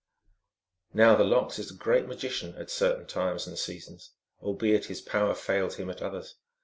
Now the Lox is a great magician at certain times and seasons, albeit his power fails him at others.